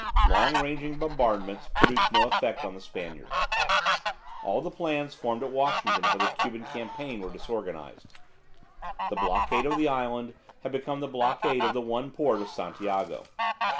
Long ranging bombardments produced no effect on the Spaniards. All the plans formed at Washington for the Cuban campaign were disorganized. The blockade of the island had become the blockade of the one port of Santiago.